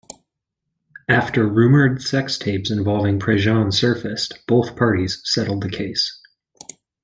After rumored sex tapes involving Prejean surfaced, both parties settled the case.